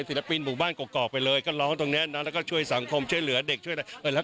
มีแต่เธอสม่ำสมะถึงสำเติมหัวใจไม่เคยว่า